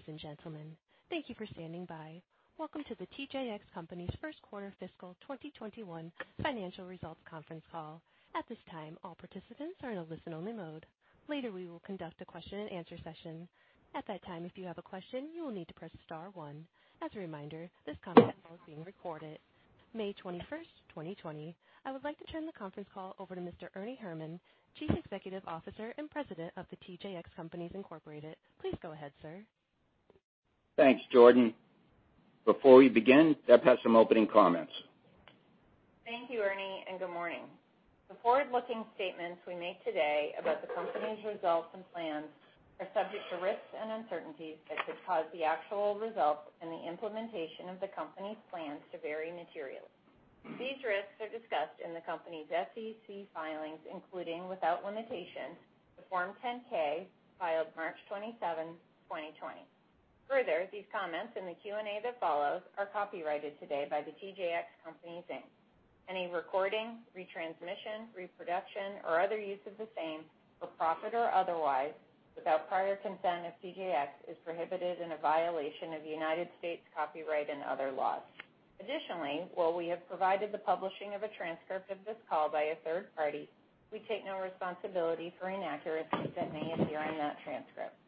Ladies and gentlemen, thank you for standing by. Welcome to the TJX Companies first quarter 2021 financial results conference call. At this time, all participants are in a listen-only mode. Later, we will conduct a question and answer session. At that time, if you have a question, you will need to press star one. As a reminder, this conference call is being recorded. May 21st, 2020. I would like to turn the conference call over to Mr. Ernie Herrman, Chief Executive Officer and President of The TJX Companies Incorporated. Please go ahead, sir. Thanks, Jordan. Before we begin, Deb has some opening comments. Thank you, Ernie, and good morning. The forward-looking statements we make today about the company's results and plans are subject to risks and uncertainties that could cause the actual results and the implementation of the company's plans to vary materially. These risks are discussed in the company's SEC filings, including, without limitation, the Form 10-K filed March 27th, 2020. Further, these comments and the Q&A that follows are copyrighted today by The TJX Companies, Inc. Any recording, retransmission, reproduction, or other use of the same, for profit or otherwise, without prior consent of TJX, is prohibited and a violation of United States copyright and other laws. Additionally, while we have provided the publishing of a transcript of this call by a third party, we take no responsibility for inaccuracies that may appear in that transcript.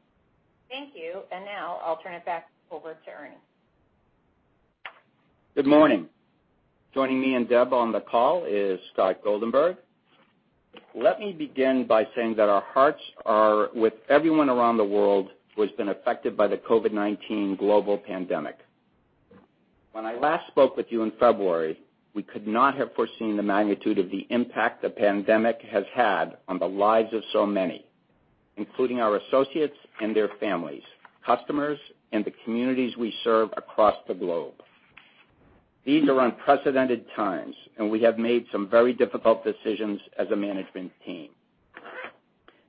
Thank you. Now I'll turn it back over to Ernie. Good morning. Joining me and Deb on the call is Scott Goldenberg. Let me begin by saying that our hearts are with everyone around the world who has been affected by the COVID-19 global pandemic. When I last spoke with you in February, we could not have foreseen the magnitude of the impact the pandemic has had on the lives of so many, including our associates and their families, customers, and the communities we serve across the globe. These are unprecedented times, and we have made some very difficult decisions as a management team.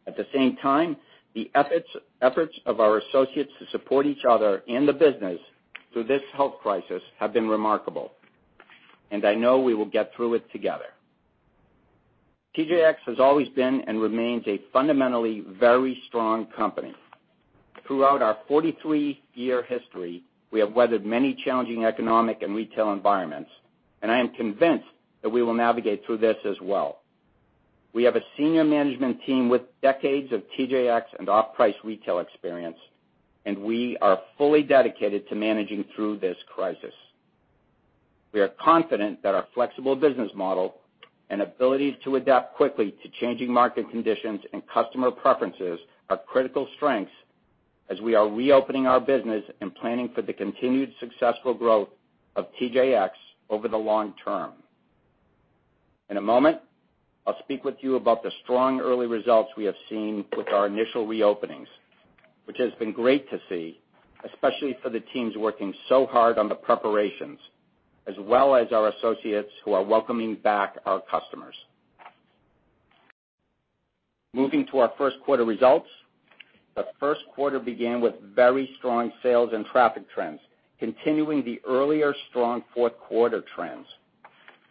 At the same time, the efforts of our associates to support each other and the business through this health crisis have been remarkable, and I know we will get through it together. TJX has always been and remains a fundamentally very strong company. Throughout our 43-year history, we have weathered many challenging economic and retail environments, and I am convinced that we will navigate through this as well. We have a senior management team with decades of TJX and off-price retail experience, and we are fully dedicated to managing through this crisis. We are confident that our flexible business model and ability to adapt quickly to changing market conditions and customer preferences are critical strengths as we are reopening our business and planning for the continued successful growth of TJX over the long term. In a moment, I'll speak with you about the strong early results we have seen with our initial reopenings, which has been great to see, especially for the teams working so hard on the preparations, as well as our associates who are welcoming back our customers. Moving to our first quarter results. The first quarter began with very strong sales and traffic trends, continuing the earlier strong fourth-quarter trends.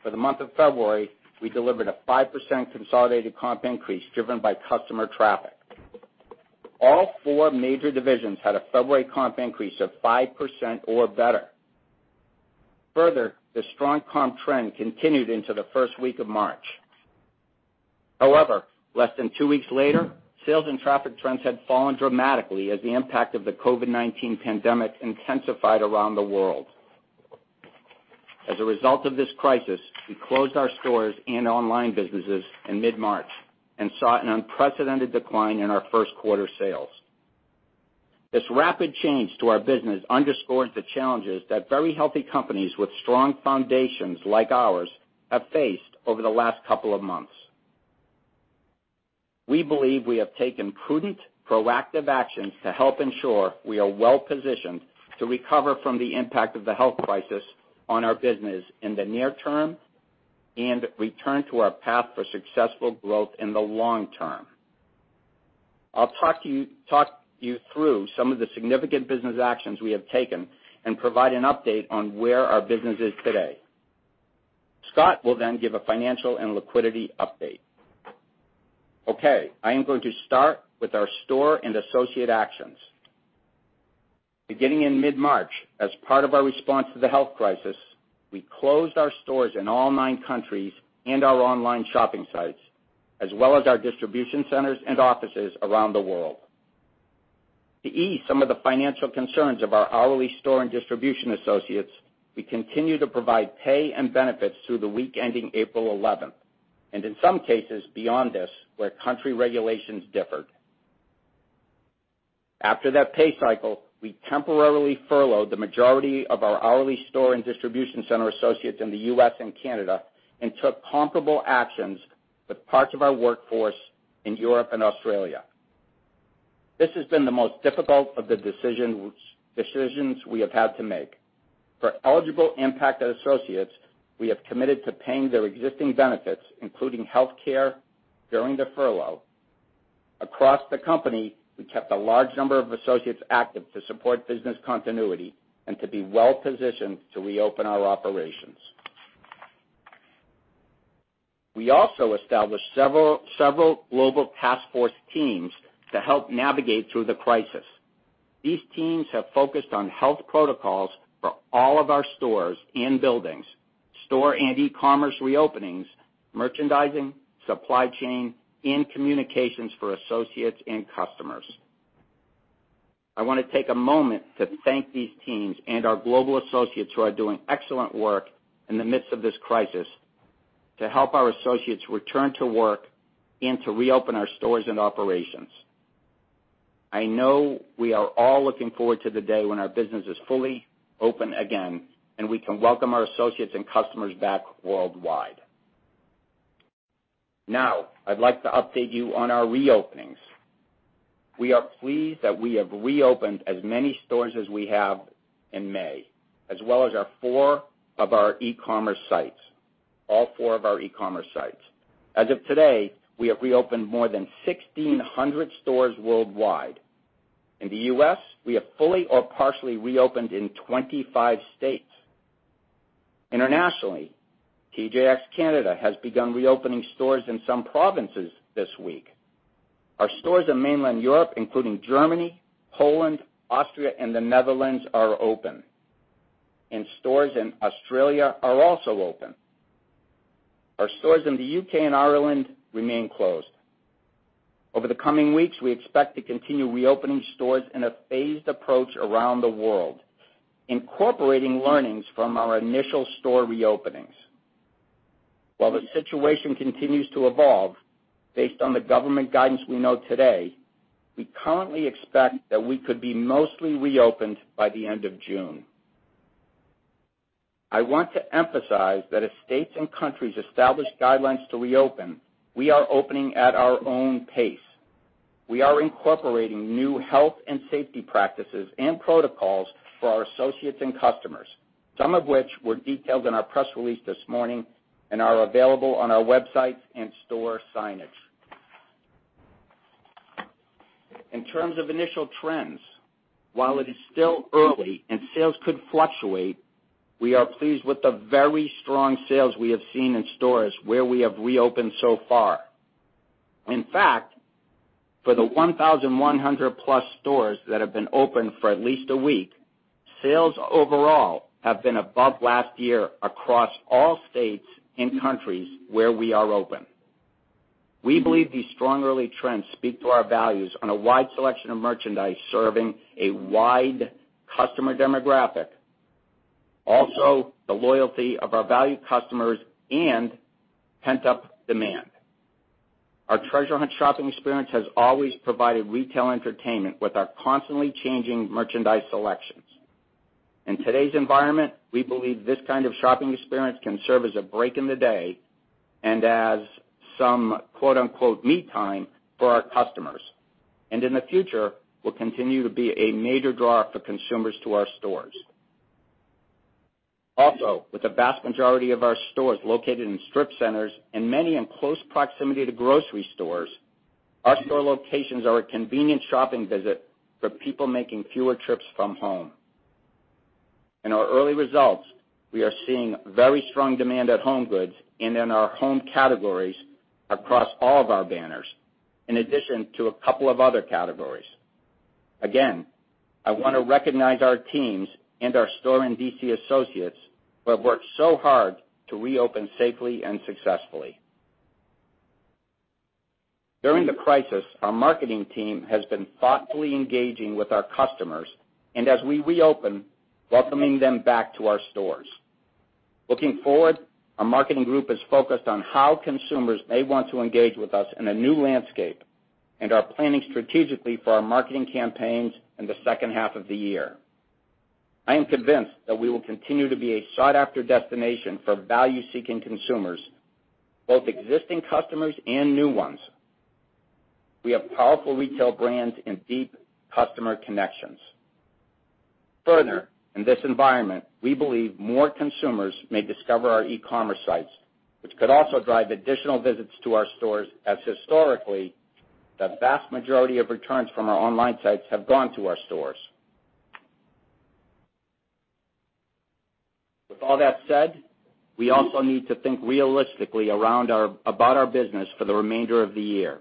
For the month of February, we delivered a five percent consolidated comp increase, driven by customer traffic. All four major divisions had a February comp increase of five percent or better. Further, the strong comp trend continued into the first week of March. However, less than two weeks later, sales and traffic trends had fallen dramatically as the impact of the COVID-19 pandemic intensified around the world. As a result of this crisis, we closed our stores and online businesses in mid-March and saw an unprecedented decline in our first quarter sales. This rapid change to our business underscores the challenges that very healthy companies with strong foundations like ours have faced over the last couple of months. We believe we have taken prudent, proactive actions to help ensure we are well-positioned to recover from the impact of the health crisis on our business in the near term and return to our path for successful growth in the long term. I'll talk you through some of the significant business actions we have taken and provide an update on where our business is today. Scott will give a financial and liquidity update. Okay, I am going to start with our store and associate actions. Beginning in mid-March, as part of our response to the health crisis, we closed our stores in all nine countries and our online shopping sites, as well as our distribution centers and offices around the world. To ease some of the financial concerns of our hourly store and distribution associates, we continue to provide pay and benefits through the week ending April 11th, and in some cases, beyond this, where country regulations differed. After that pay cycle, we temporarily furloughed the majority of our hourly store and distribution center associates in the U.S. and Canada and took comparable actions with parts of our workforce in Europe and Australia. This has been the most difficult of the decisions we have had to make. For eligible impacted associates, we have committed to paying their existing benefits, including healthcare, during the furlough. Across the company, we kept a large number of associates active to support business continuity and to be well-positioned to reopen our operations. We also established several global task force teams to help navigate through the crisis. These teams have focused on health protocols for all of our stores and buildings, store and e-commerce reopenings, merchandising, supply chain, and communications for associates and customers. I want to take a moment to thank these teams and our global associates who are doing excellent work in the midst of this crisis to help our associates return to work and to reopen our stores and operations. I know we are all looking forward to the day when our business is fully open again, and we can welcome our associates and customers back worldwide. Now, I'd like to update you on our reopenings. We are pleased that we have reopened as many stores as we have in May, as well as our four of our e-commerce sites. All four of our e-commerce sites. As of today, we have reopened more than 1,600 stores worldwide. In the U.S., we have fully or partially reopened in 25 states. Internationally, TJX Canada has begun reopening stores in some provinces this week. Our stores in mainland Europe, including Germany, Poland, Austria, and the Netherlands, are open. Stores in Australia are also open. Our stores in the U.K. and Ireland remain closed. Over the coming weeks, we expect to continue reopening stores in a phased approach around the world, incorporating learnings from our initial store reopenings. While the situation continues to evolve, based on the government guidance we know today, we currently expect that we could be mostly reopened by the end of June. I want to emphasize that as states and countries establish guidelines to reopen, we are opening at our own pace. We are incorporating new health and safety practices and protocols for our associates and customers, some of which were detailed in our press release this morning and are available on our websites and store signage. In terms of initial trends, while it is still early and sales could fluctuate, we are pleased with the very strong sales we have seen in stores where we have reopened so far. In fact, for the 1,100-plus stores that have been open for at least a week, sales overall have been above last year across all states and countries where we are open. We believe these strong early trends speak to our values on a wide selection of merchandise, serving a wide customer demographic, the loyalty of our valued customers and pent-up demand. Our Treasure Hunt shopping experience has always provided retail entertainment with our constantly changing merchandise selections. In today's environment, we believe this kind of shopping experience can serve as a break in the day and as some "me time" for our customers. In the future, will continue to be a major draw for consumers to our stores. Also, with the vast majority of our stores located in strip centers and many in close proximity to grocery stores, our store locations are a convenient shopping visit for people making fewer trips from home. In our early results, we are seeing very strong demand at HomeGoods and in our home categories across all of our banners, in addition to a couple of other categories. Again, I want to recognize our teams and our store and DC associates who have worked so hard to reopen safely and successfully. During the crisis, our marketing team has been thoughtfully engaging with our customers, and as we reopen, welcoming them back to our stores. Looking forward, our marketing group is focused on how consumers may want to engage with us in a new landscape and are planning strategically for our marketing campaigns in the second half of the year. I am convinced that we will continue to be a sought-after destination for value-seeking consumers, both existing customers and new ones. We have powerful retail brands and deep customer connections. Further, in this environment, we believe more consumers may discover our e-commerce sites, which could also drive additional visits to our stores as historically, the vast majority of returns from our online sites have gone to our stores. With all that said, we also need to think realistically about our business for the remainder of the year.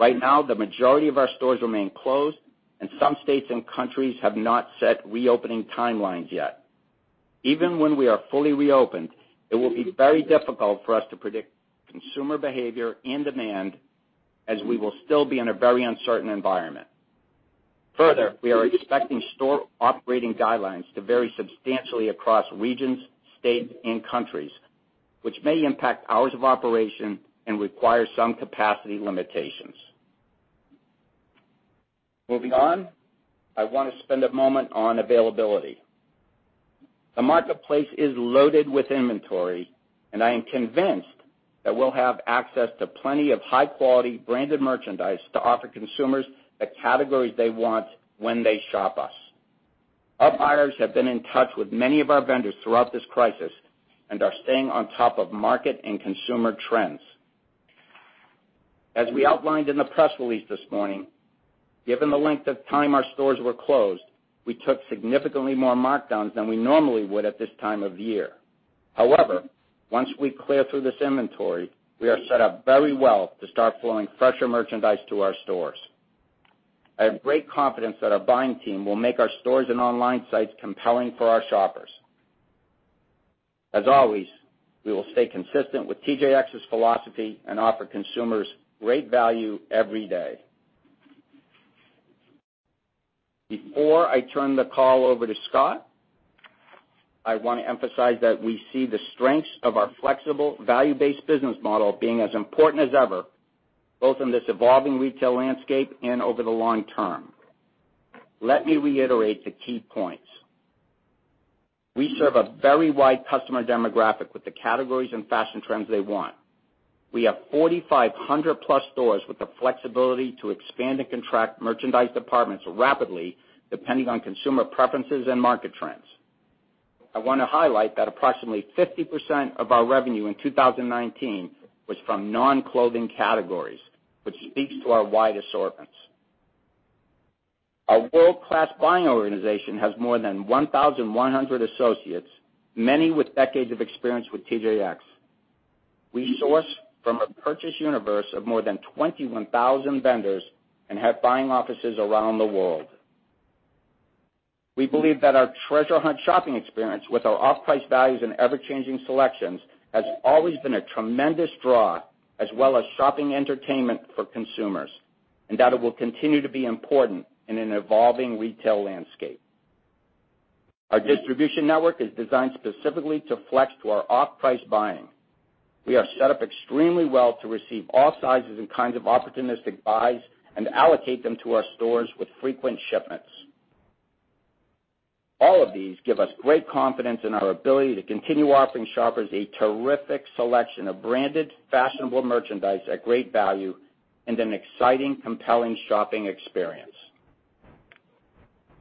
Right now, the majority of our stores remain closed, and some states and countries have not set reopening timelines yet. Even when we are fully reopened, it will be very difficult for us to predict consumer behavior and demand, as we will still be in a very uncertain environment. Further, we are expecting store operating guidelines to vary substantially across regions, states, and countries, which may impact hours of operation and require some capacity limitations. Moving on, I want to spend a moment on availability. The marketplace is loaded with inventory, and I am convinced that we'll have access to plenty of high-quality branded merchandise to offer consumers the categories they want when they shop us. Our buyers have been in touch with many of our vendors throughout this crisis and are staying on top of market and consumer trends. We outlined in the press release this morning, given the length of time our stores were closed, we took significantly more markdowns than we normally would at this time of year. Once we clear through this inventory, we are set up very well to start flowing fresher merchandise to our stores. I have great confidence that our buying team will make our stores and online sites compelling for our shoppers. As always, we will stay consistent with TJX's philosophy and offer consumers great value every day. Before I turn the call over to Scott, I want to emphasize that we see the strengths of our flexible value-based business model being as important as ever, both in this evolving retail landscape and over the long term. Let me reiterate the key points. We serve a very wide customer demographic with the categories and fashion trends they want. We have 4,500-plus stores with the flexibility to expand and contract merchandise departments rapidly, depending on consumer preferences and market trends. I want to highlight that approximately 50% of our revenue in 2019 was from non-clothing categories, which speaks to our wide assortments. Our world-class buying organization has more than 1,100 associates, many with decades of experience with TJX. We source from a purchase universe of more than 21,000 vendors and have buying offices around the world. We believe that our treasure hunt shopping experience with our off-price values and ever-changing selections has always been a tremendous draw, as well as shopping entertainment for consumers, and that it will continue to be important in an evolving retail landscape. Our distribution network is designed specifically to flex to our off-price buying. We are set up extremely well to receive all sizes and kinds of opportunistic buys and allocate them to our stores with frequent shipments. All of these give us great confidence in our ability to continue offering shoppers a terrific selection of branded, fashionable merchandise at great value and an exciting, compelling shopping experience.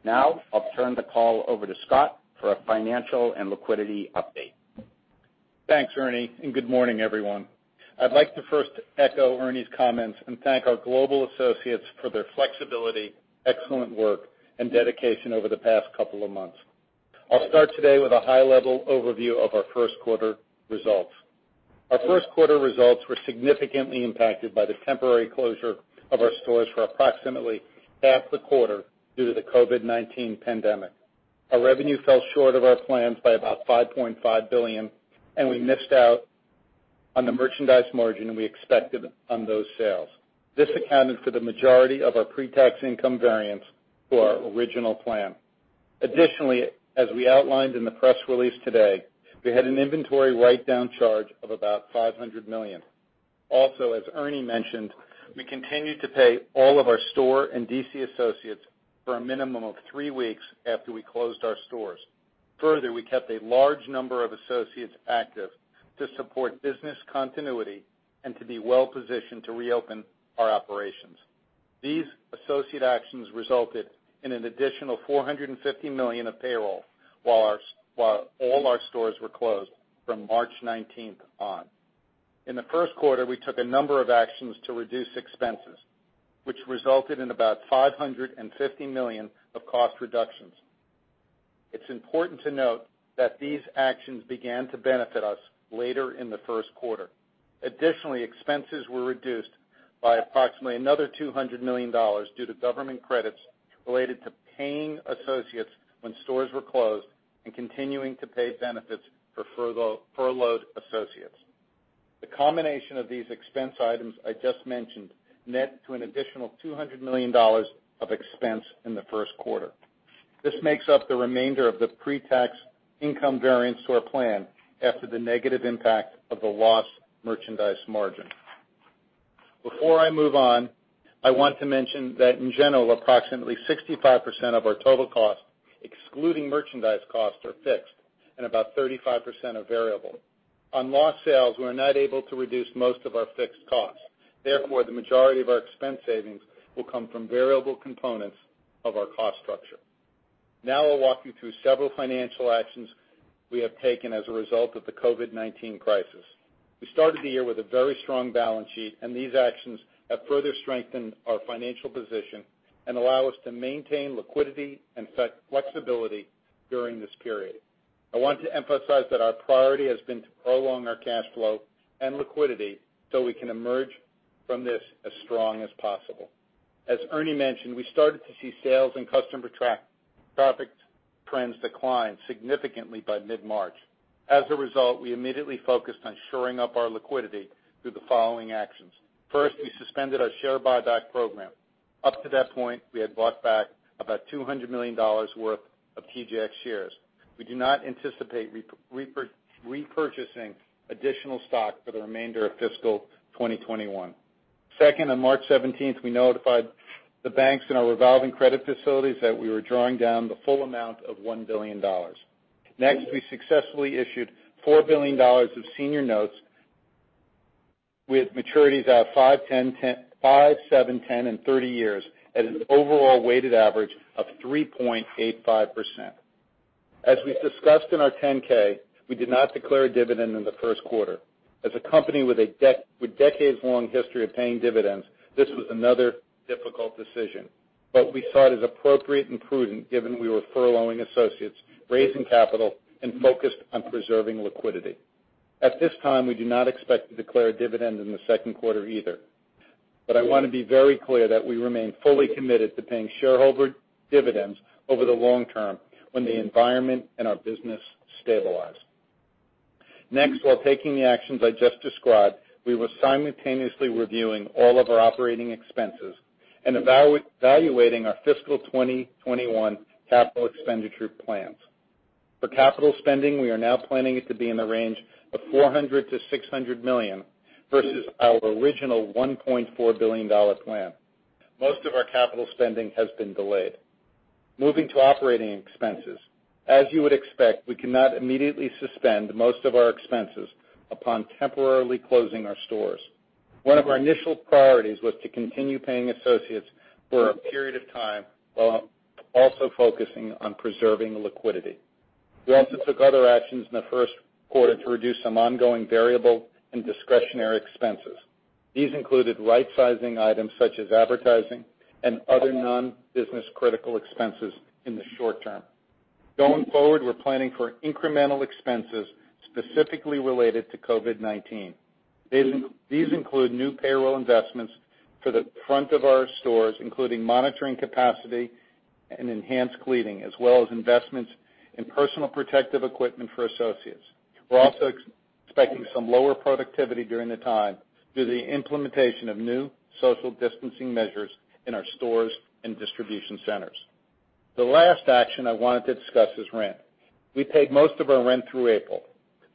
I'll turn the call over to Scott for a financial and liquidity update. Thanks, Ernie, and good morning, everyone. I'd like to first echo Ernie's comments and thank our global associates for their flexibility, excellent work, and dedication over the past couple of months. I'll start today with a high-level overview of our first quarter results. Our first quarter results were significantly impacted by the temporary closure of our stores for approximately half the quarter due to the COVID-19 pandemic. Our revenue fell short of our plans by about $5.5 billion, and we missed out on the merchandise margin we expected on those sales. This accounted for the majority of our pre-tax income variance to our original plan. Additionally, as we outlined in the press release today, we had an inventory write-down charge of about $500 million. Also, as Ernie mentioned, we continued to pay all of our store and DC associates for a minimum of three weeks after we closed our stores. Further, we kept a large number of associates active to support business continuity and to be well-positioned to reopen our operations. These associate actions resulted in an additional $450 million of payroll while all our stores were closed from March 19th on. In the first quarter, we took a number of actions to reduce expenses, which resulted in about $550 million of cost reductions. It's important to note that these actions began to benefit us later in the first quarter. Additionally, expenses were reduced by approximately another $200 million due to government credits related to paying associates when stores were closed and continuing to pay benefits for furloughed associates. The combination of these expense items I just mentioned net to an additional $200 million of expense in the first quarter. This makes up the remainder of the pre-tax income variance to our plan after the negative impact of the lost merchandise margin. Before I move on, I want to mention that in general, approximately 65% of our total costs, excluding merchandise costs, are fixed and about 35% are variable. On lost sales, we're not able to reduce most of our fixed costs. The majority of our expense savings will come from variable components of our cost structure. I'll walk you through several financial actions we have taken as a result of the COVID-19 crisis. We started the year with a very strong balance sheet, and these actions have further strengthened our financial position and allow us to maintain liquidity and flexibility during this period. I want to emphasize that our priority has been to prolong our cash flow and liquidity so we can emerge from this as strong as possible. As Ernie mentioned, we started to see sales and customer traffic trends decline significantly by mid-March. As a result, we immediately focused on shoring up our liquidity through the following actions. First, we suspended our share buyback program. Up to that point, we had bought back about $200 million worth of TJX shares. We do not anticipate repurchasing additional stock for the remainder of fiscal 2021. Second, on March 17th, we notified the banks in our revolving credit facilities that we were drawing down the full amount of $1 billion. We successfully issued $4 billion of senior notes with maturities out five, seven, 10, and 30 years at an overall weighted average of 3.85%. As we discussed in our 10-K, we did not declare a dividend in the first quarter. As a company with a decades-long history of paying dividends, this was another difficult decision. We saw it as appropriate and prudent given we were furloughing associates, raising capital, and focused on preserving liquidity. At this time, we do not expect to declare a dividend in the second quarter either. I want to be very clear that we remain fully committed to paying shareholder dividends over the long term when the environment and our business stabilize. While taking the actions I just described, we were simultaneously reviewing all of our operating expenses and evaluating our fiscal 2021 capital expenditure plans. For capital spending, we are now planning it to be in the range of $400 million-$600 million versus our original $1.4 billion plan. Most of our capital spending has been delayed. Moving to operating expenses. As you would expect, we cannot immediately suspend most of our expenses upon temporarily closing our stores. One of our initial priorities was to continue paying associates for a period of time while also focusing on preserving liquidity. We also took other actions in the first quarter to reduce some ongoing variable and discretionary expenses. These included rightsizing items such as advertising and other non-business critical expenses in the short term. Going forward, we're planning for incremental expenses, specifically related to COVID-19. These include new payroll investments for the front of our stores, including monitoring capacity and enhanced cleaning, as well as investments in personal protective equipment for associates. We're also expecting some lower productivity during the time through the implementation of new social distancing measures in our stores and distribution centers. The last action I wanted to discuss is rent. We paid most of our rent through April.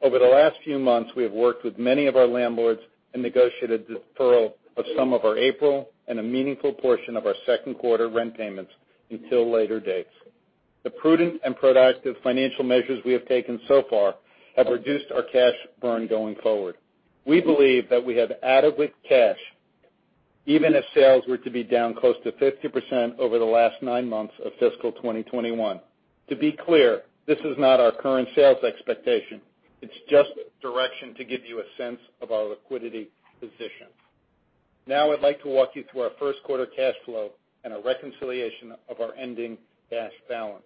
Over the last few months, we have worked with many of our landlords and negotiated deferral of some of our April and a meaningful portion of our second quarter rent payments until later dates. The prudent and productive financial measures we have taken so far have reduced our cash burn going forward. We believe that we have adequate cash, even if sales were to be down close to 50% over the last nine months of fiscal 2021. To be clear, this is not our current sales expectation. It's just direction to give you a sense of our liquidity position. I'd like to walk you through our first quarter cash flow and a reconciliation of our ending cash balance.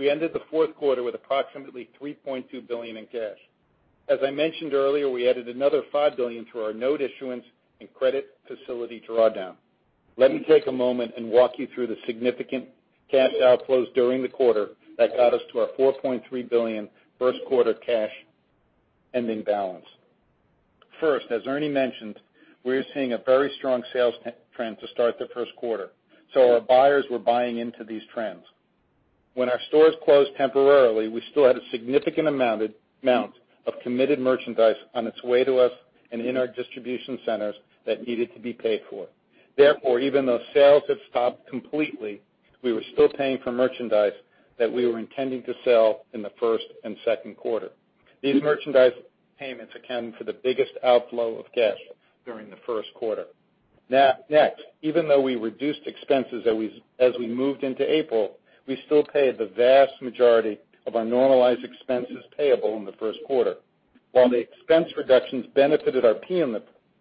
We ended the fourth quarter with approximately $3.2 billion in cash. As I mentioned earlier, we added another $5 billion through our note issuance and credit facility drawdown. Let me take a moment and walk you through the significant cash outflows during the quarter that got us to our $4.3 billion first quarter cash ending balance. First, as Ernie mentioned, we are seeing a very strong sales trend to start the first quarter, so our buyers were buying into these trends. When our stores closed temporarily, we still had a significant amount of committed merchandise on its way to us and in our distribution centers that needed to be paid for. Therefore, even though sales have stopped completely, we were still paying for merchandise that we were intending to sell in the first and second quarter. These merchandise payments accounted for the biggest outflow of cash during the first quarter. Next, even though we reduced expenses as we moved into April, we still paid the vast majority of our normalized expenses payable in the first quarter. While the expense reductions benefited our P&L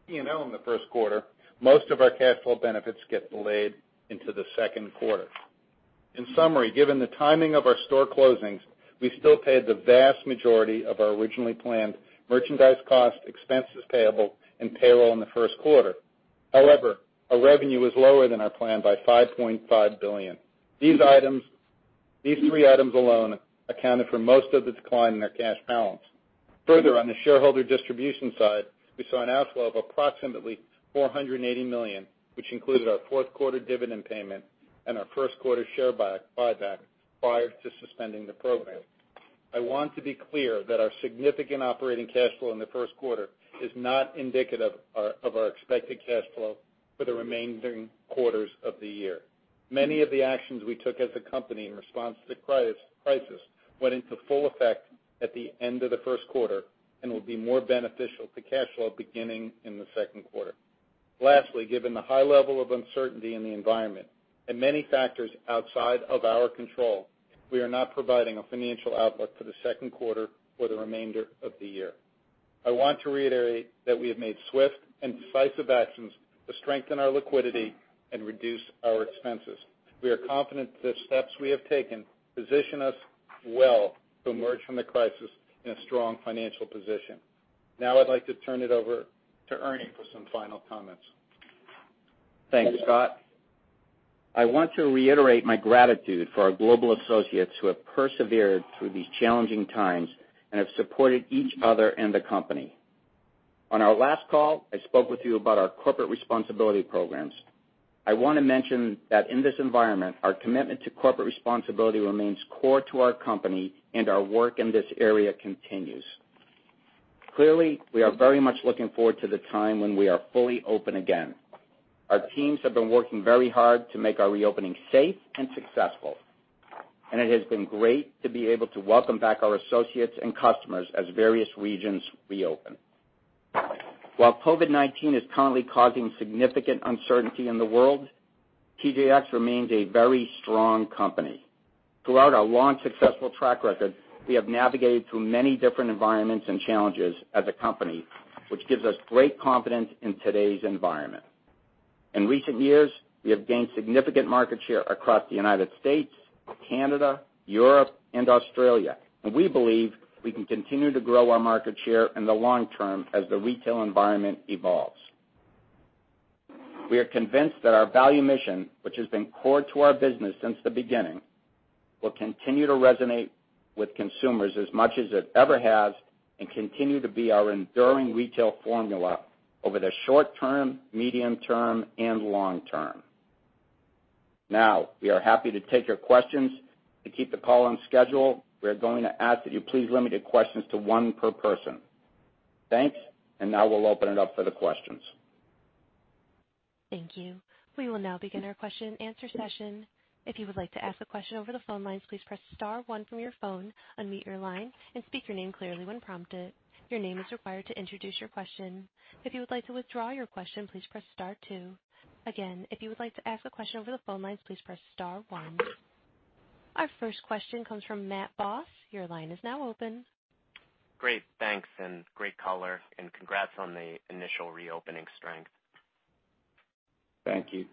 in the first quarter, most of our cash flow benefits get delayed into the second quarter. In summary, given the timing of our store closings, we still paid the vast majority of our originally planned merchandise cost, expenses payable, and payroll in the first quarter. However, our revenue was lower than our plan by $5.5 billion. These three items alone accounted for most of the decline in our cash balance. Further, on the shareholder distribution side, we saw an outflow of approximately $480 million, which included our fourth quarter dividend payment and our first quarter share buyback prior to suspending the program. I want to be clear that our significant operating cash flow in the first quarter is not indicative of our expected cash flow for the remaining quarters of the year. Many of the actions we took as a company in response to the crisis went into full effect at the end of the first quarter and will be more beneficial to cash flow beginning in the second quarter. Lastly, given the high level of uncertainty in the environment and many factors outside of our control, we are not providing a financial outlook for the second quarter for the remainder of the year. I want to reiterate that we have made swift and decisive actions to strengthen our liquidity and reduce our expenses. We are confident that the steps we have taken position us well to emerge from the crisis in a strong financial position. Now I'd like to turn it over to Ernie for some final comments. Thanks, Scott. I want to reiterate my gratitude for our global associates who have persevered through these challenging times and have supported each other and the company. On our last call, I spoke with you about our Corporate Responsibility Programs. I want to mention that in this environment, our commitment to corporate responsibility remains core to our company and our work in this area continues. Clearly, we are very much looking forward to the time when we are fully open again. Our teams have been working very hard to make our reopening safe and successful, and it has been great to be able to welcome back our associates and customers as various regions reopen. While COVID-19 is currently causing significant uncertainty in the world, TJX remains a very strong company. Throughout our long, successful track record, we have navigated through many different environments and challenges as a company, which gives us great confidence in today's environment. In recent years, we have gained significant market share across the United States, Canada, Europe, and Australia, and we believe we can continue to grow our market share in the long term as the retail environment evolves. We are convinced that our value mission, which has been core to our business since the beginning, will continue to resonate with consumers as much as it ever has and continue to be our enduring retail formula over the short term, medium term, and long term. Now, we are happy to take your questions. To keep the call on schedule, we are going to ask that you please limit your questions to one per person. Thanks. Now we'll open it up for the questions. Thank you. We will now begin our question and answer session. If you would like to ask a question over the phone lines, please press star one from your phone, unmute your line, and speak your name clearly when prompted. Your name is required to introduce your question. If you would like to withdraw your question, please press star two. Again, if you would like to ask a question over the phone lines, please press star one. Our first question comes from Matt Boss. Your line is now open. Great. Thanks, and great color, and congrats on the initial reopening strength. Thank you.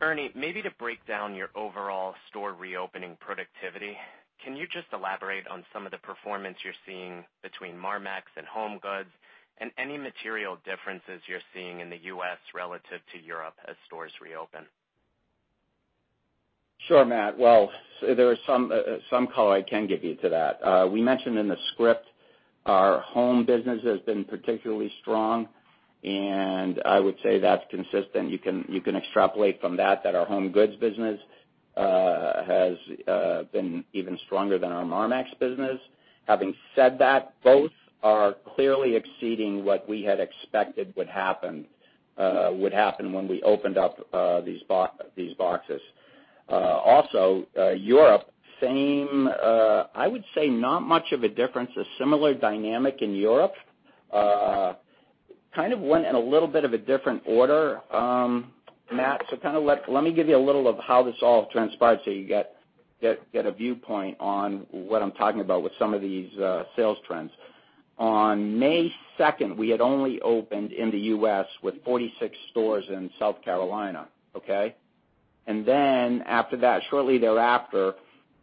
Ernie, maybe to break down your overall store reopening productivity, can you just elaborate on some of the performance you're seeing between Marmaxx and HomeGoods and any material differences you're seeing in the U.S. relative to Europe as stores reopen? Sure, Matt. Well, there is some color I can give you to that. We mentioned in the script our home business has been particularly strong, and I would say that's consistent. You can extrapolate from that our HomeGoods business has been even stronger than our Marmaxx business. Having said that, both are clearly exceeding what we had expected would happen when we opened up these boxes. Also, Europe, I would say not much of a difference, a similar dynamic in Europe. Kind of went in a little bit of a different order, Matt. Let me give you a little of how this all transpired so you get a viewpoint on what I'm talking about with some of these sales trends. On May 2nd, we had only opened in the U.S. with 46 stores in South Carolina, okay? Then after that, shortly thereafter,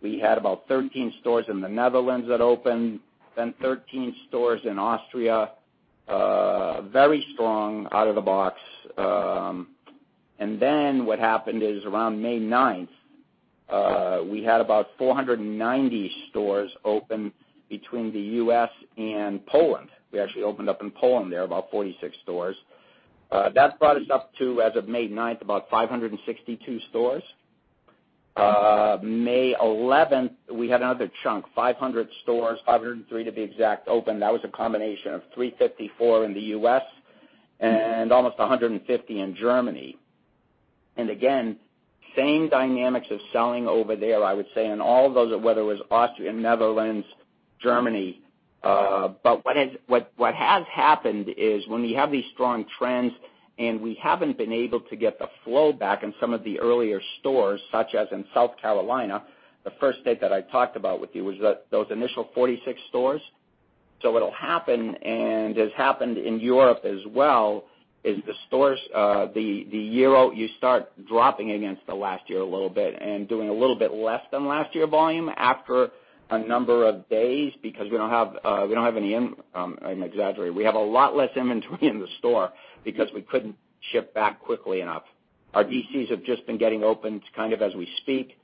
we had about 13 stores in the Netherlands that opened, then 13 stores in Austria. Very strong out of the box. Then what happened is around May 9th, we had about 490 stores open between the U.S. and Poland. We actually opened up in Poland there, about 46 stores. That brought us up to, as of May 9th, about 562 stores. May 11th, we had another chunk, 500 stores, 503 to be exact, open. That was a combination of 354 in the U.S. and almost 150 in Germany. Again, same dynamics of selling over there, I would say, on all of those, whether it was Austria, Netherlands, Germany. What has happened is when we have these strong trends and we haven't been able to get the flow back in some of the earlier stores, such as in South Carolina, the first state that I talked about with you was those initial 46 stores. What will happen, and has happened in Europe as well, is the stores, the year over, you start dropping against the last year a little bit and doing a little bit less than last year volume after a number of days because we don't have any. I'm exaggerating. We have a lot less inventory in the store because we couldn't ship back quickly enough. Our DCs have just been getting opened kind of as we speak.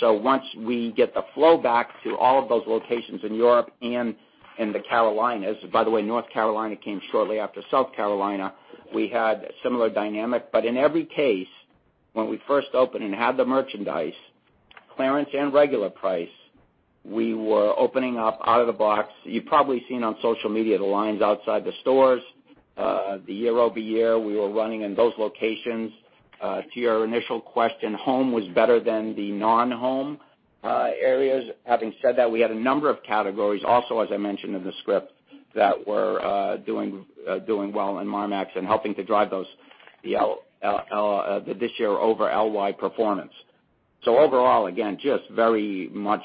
Once we get the flow back to all of those locations in Europe and in the Carolinas, by the way, North Carolina came shortly after South Carolina. We had similar dynamic, in every case, when we first opened and had the merchandise, clearance and regular price, we were opening up out of the box. You've probably seen on social media the lines outside the stores, the year-over-year we were running in those locations. To your initial question, home was better than the non-home areas. Having said that, we had a number of categories also, as I mentioned in the script, that were doing well in Marmaxx and helping to drive those this year-over-LY performance. Overall, again, just very much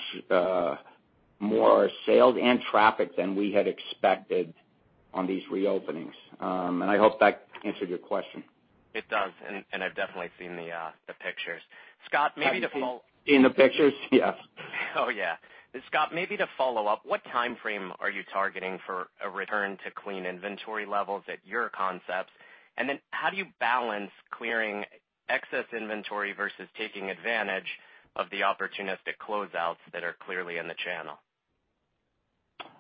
more sales and traffic than we had expected on these reopenings. I hope that answered your question. It does. I've definitely seen the pictures. Scott, maybe to follow. Seen the pictures? Yes. Oh, yeah. Scott, maybe to follow up, what timeframe are you targeting for a return to clean inventory levels at your concepts? How do you balance clearing excess inventory versus taking advantage of the opportunistic closeouts that are clearly in the channel?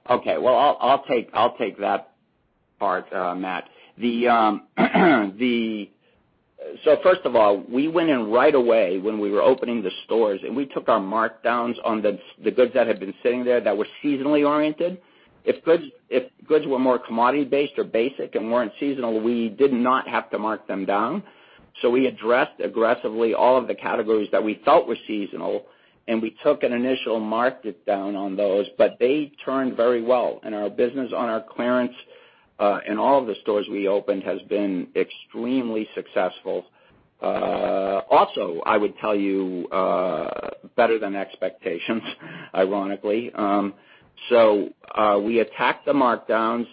Okay. Well, I'll take that part, Matt. First of all, we went in right away when we were opening the stores, and we took our markdowns on the goods that had been sitting there that were seasonally oriented. If goods were more commodity based or basic and weren't seasonal, we did not have to mark them down. We addressed aggressively all of the categories that we felt were seasonal, and we took an initial markdown on those, but they turned very well. Our business on our clearance in all of the stores we opened has been extremely successful. I would tell you, better than expectations, ironically. We attacked the markdowns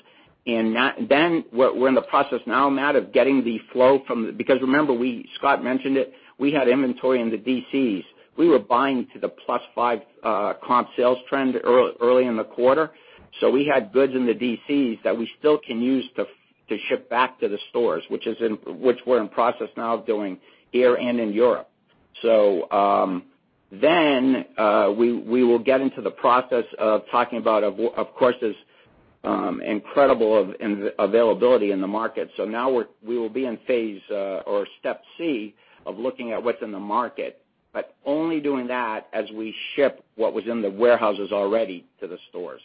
and then we're in the process now, Matt, of getting the flow from, because remember, Scott mentioned it, we had inventory in the DCs. We were buying to the plus five comp sales trend early in the quarter. We had goods in the DCs that we still can use to ship back to the stores, which we're in process now of doing here and in Europe. We will get into the process of talking about, of course, this incredible availability in the market. Now we will be in phase or step C of looking at what's in the market, but only doing that as we ship what was in the warehouses already to the stores.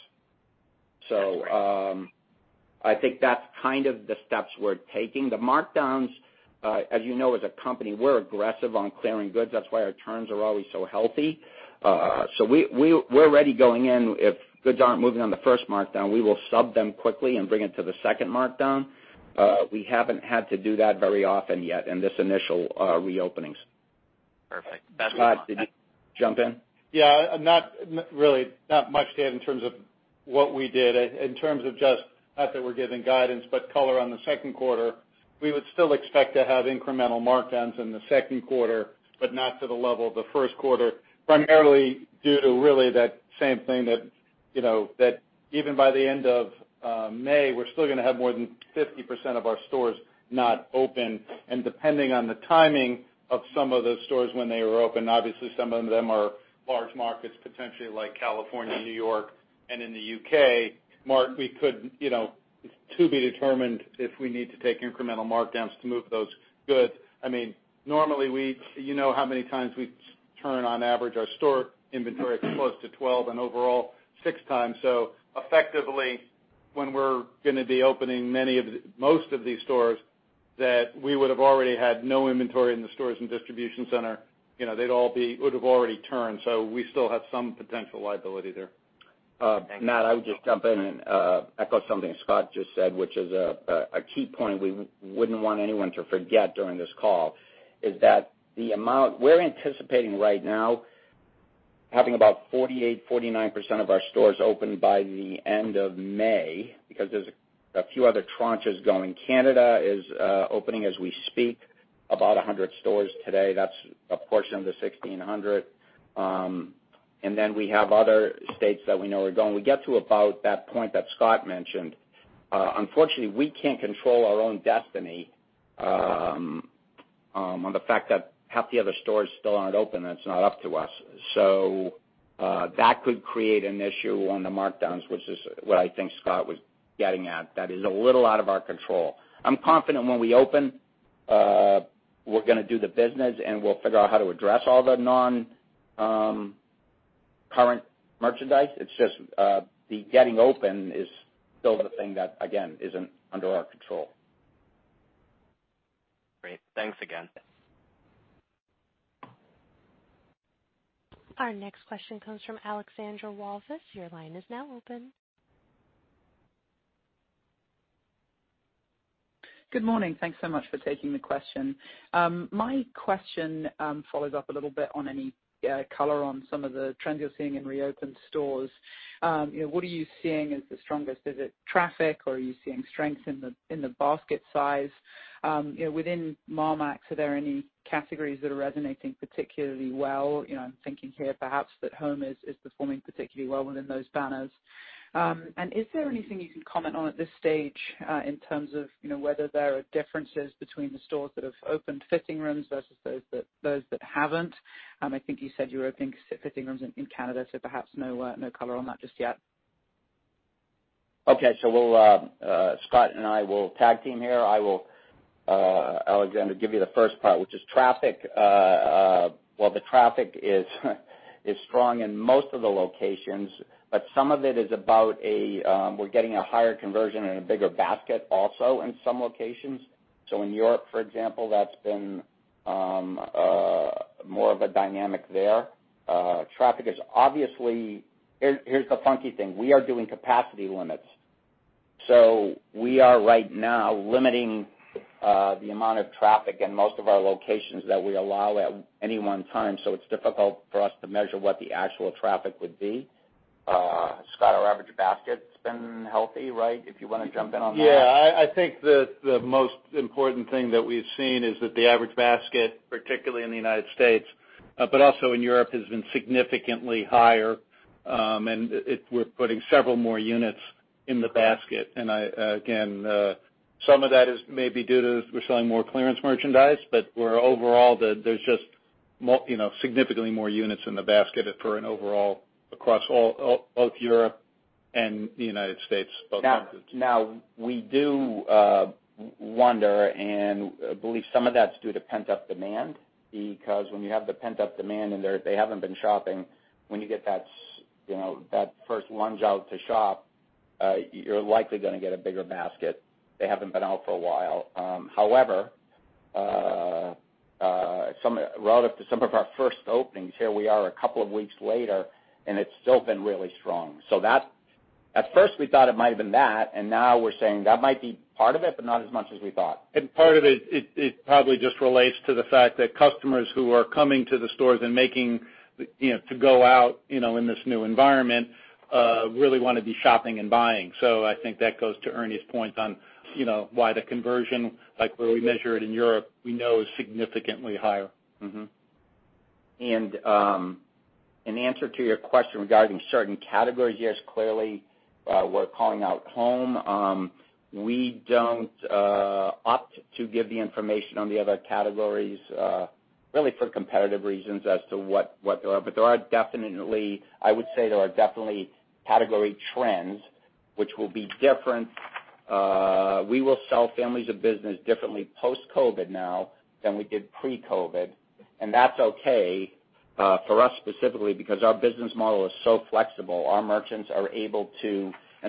That's great. I think that's kind of the steps we're taking. The markdowns, as you know, as a company, we're aggressive on clearing goods. That's why our turns are always so healthy. We're already going in. If goods aren't moving on the first markdown, we will sub them quickly and bring it to the second markdown. We haven't had to do that very often yet in this initial reopenings. Perfect. That's what we wanted. Scott, did you want to jump in? Yeah. Not really, not much to add in terms of what we did. In terms of just, not that we're giving guidance, but color on the second quarter, we would still expect to have incremental markdowns in the second quarter, but not to the level of the first quarter. Primarily due to really that same thing that even by the end of May, we're still going to have more than 50% of our stores not open, and depending on the timing of some of those stores when they were open, obviously some of them are large markets, potentially like California, New York, and in the U.K. market, it's to be determined if we need to take incremental markdowns to move those goods. Normally, you know how many times we turn on average our store inventory close to 12 and overall 6x. Effectively, when we're going to be opening most of these stores, that we would have already had no inventory in the stores and distribution center, would have already turned. We still have some potential liability there. Thanks. Matt, I would just jump in and echo something Scott just said, which is a key point we wouldn't want anyone to forget during this call, is that the amount we're anticipating right now, having about 48%, 49% of our stores open by the end of May because there's a few other tranches going. Canada is opening as we speak, about 100 stores today. That's a portion of the 1,600. We have other states that we know are going. We get to about that point that Scott mentioned. Unfortunately, we can't control our own destiny on the fact that half the other stores still aren't open. That's not up to us. That could create an issue on the markdowns, which is what I think Scott was getting at. That is a little out of our control. I'm confident when we open, we're gonna do the business, and we'll figure out how to address all the non-current merchandise. It's just the getting open is still the thing that, again, isn't under our control. Great. Thanks again. Our next question comes from Alexandra Walvis. Your line is now open. Good morning. Thanks so much for taking the question. My question follows up a little bit on any color on some of the trends you're seeing in reopened stores. What are you seeing as the strongest? Is it traffic, or are you seeing strength in the basket size? Within Marmaxx, are there any categories that are resonating particularly well? I'm thinking here perhaps that Home is performing particularly well within those banners. Is there anything you can comment on at this stage, in terms of whether there are differences between the stores that have opened fitting rooms versus those that haven't? I think you said you were opening fitting rooms in Canada, so perhaps no color on that just yet. Okay. Scott and I will tag team here. I will, Alexandra, give you the first part, which is traffic. Well, the traffic is strong in most of the locations, but some of it is about we're getting a higher conversion and a bigger basket also in some locations. In Europe, for example, that's been more of a dynamic there. Here's the funky thing. We are doing capacity limits. We are right now limiting the amount of traffic in most of our locations that we allow at any one time. It's difficult for us to measure what the actual traffic would be. Scott, our average basket's been healthy, right? If you want to jump in on that. Yeah. I think that the most important thing that we've seen is that the average basket, particularly in the United States, but also in Europe, has been significantly higher. We're putting several more units in the basket. Again, some of that is maybe due to we're selling more clearance merchandise, but where overall, there's just significantly more units in the basket for an overall across both Europe and the United States, both entities. We do wonder and believe some of that's due to pent-up demand. When you have the pent-up demand and they haven't been shopping, when you get that first lunge out to shop. You're likely going to get a bigger basket. They haven't been out for a while. Relative to some of our first openings, here we are a couple of weeks later, and it's still been really strong. At first, we thought it might've been that, and now we're saying that might be part of it, but not as much as we thought. Part of it probably just relates to the fact that customers who are coming to the stores and making to go out in this new environment really want to be shopping and buying. I think that goes to Ernie's point on why the conversion, like where we measure it in Europe, we know is significantly higher. In answer to your question regarding certain categories, yes, clearly, we're calling out home. We don't opt to give the information on the other categories, really for competitive reasons as to what they are. I would say there are definitely category trends which will be different. We will sell families of business differently post-COVID now than we did pre-COVID, and that's okay for us specifically because our business model is so flexible.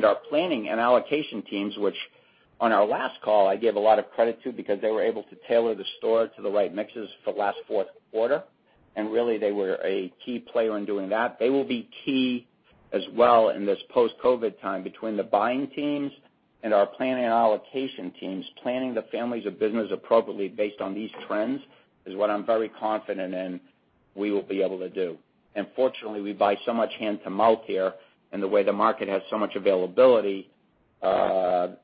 Our planning and allocation teams, which on our last call I gave a lot of credit to because they were able to tailor the store to the right mixes for last fourth quarter, and really, they were a key player in doing that. They will be key as well in this post-COVID time between the buying teams and our planning and allocation teams. Planning the families of business appropriately based on these trends is what I'm very confident in we will be able to do. Fortunately, we buy so much hand-to-mouth here, and the way the market has so much availability, that's